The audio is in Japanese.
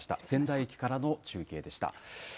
仙台駅からの中継でした。